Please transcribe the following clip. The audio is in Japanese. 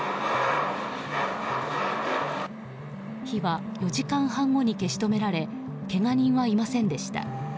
火は４時間半後に消し止められけが人はいませんでした。